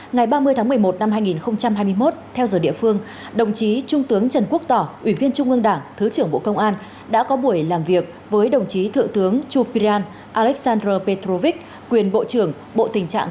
ngày ba mươi tháng một mươi một năm hai nghìn hai mươi một theo giờ địa phương đồng chí trung tướng trần quốc tỏ ủy viên trung ương đảng thứ trưởng bộ công an đã có buổi làm việc với đồng chí thượng tướng chupirian alexander petrovich quyền bộ trưởng bộ tình trạng